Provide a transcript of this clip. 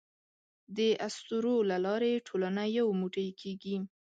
د اسطورو له لارې ټولنه یو موټی کېږي.